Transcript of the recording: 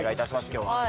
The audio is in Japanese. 今日は。